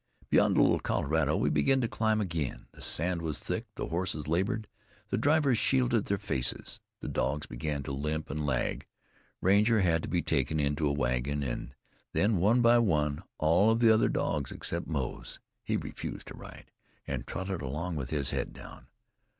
Beyond the Little Colorado, we began to climb again. The sand was thick; the horses labored; the drivers shielded their faces. The dogs began to limp and lag. Ranger had to be taken into a wagon; and then, one by one, all of the other dogs except Moze. He refused to ride, and trotted along with his head down.